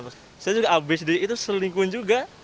saya juga habis itu selingkuh juga